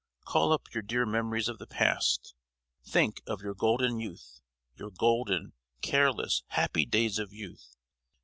Call up your dear memories of the past; think of your golden youth—your golden, careless, happy days of youth!